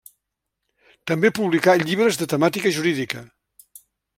També publicà llibres de temàtica jurídica.